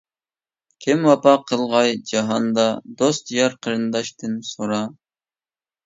كىم ۋاپا قىلغاي جاھاندا؟ دوست-يار، قېرىنداشتىن سورا.